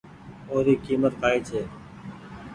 اي ري ڪيمت ڪآئي ڇي۔